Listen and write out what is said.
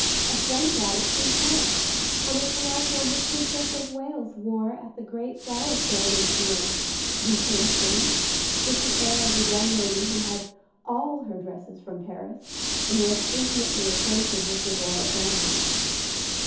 A friend brought it from Paris, and it's like one the Princess of Wales wore at the great flower show this year," returned Kitty, with the air of a young lady who had all her dresses from Paris, and was intimately acquainted with the royal family.